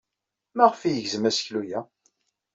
Maɣef ay yegzem aseklu-a?